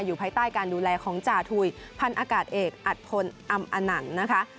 ภายใต้การดูแลของจาทุยพันอากาศเอกอัดพลอำอนันต์นะคะ